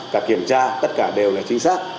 cả kiểm tra tất cả đều là chính xác